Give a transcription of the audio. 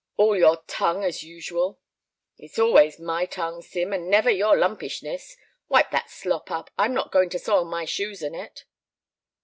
"All your tongue, as usual." "It's always my tongue, Sim, and never your lumpishness. Wipe that slop up; I'm not going to soil my shoes in it."